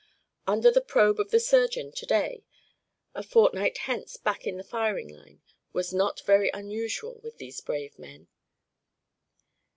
Under the probe of the surgeon to day, a fortnight hence back on the firing line, was not very unusual with these brave men.